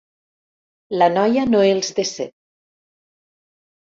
La noia no els decep.